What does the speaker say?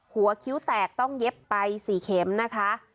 คิ้วแตกต้องเย็บไป๔เข็มนะคะ